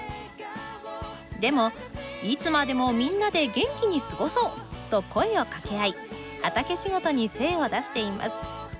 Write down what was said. でも「いつまでもみんなで元気に過ごそう！」と声をかけ合い畑仕事に精を出しています。